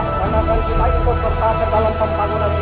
karena akan kita ikut berp trabalhar dalam pembangunan di indonesia